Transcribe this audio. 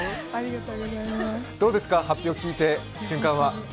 どうですか、発表を聞いた瞬間は？